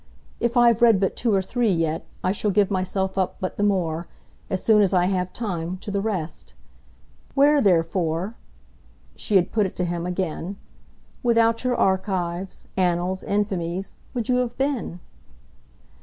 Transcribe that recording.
If I've read but two or three yet, I shall give myself up but the more as soon as I have time to the rest. Where, therefore" she had put it to him again "without your archives, annals, infamies, would you have been?"